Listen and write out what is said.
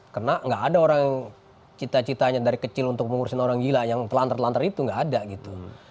karena tidak ada orang cita citanya dari kecil untuk mengurusin orang gila yang telanter telanter itu tidak ada gitu